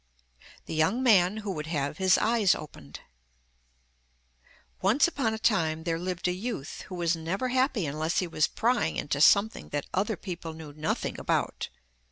THE YOUNG MAN WHO WOULD HAVE HIS EYES OPENED Once upon a time there lived a youth who was never happy unless he was prying into something that other people knew nothing about.